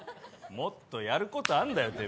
もっとやることあんだよ